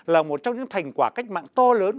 là một trong những thành quả cách mạng to lớn